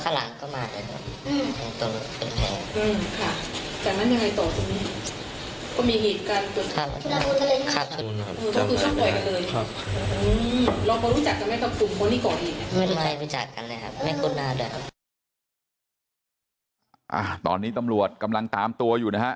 กันเลยครับแม่งคนนาด่ะตอนนี้ตำรวจกำลังตามตัวอยู่นะฮะ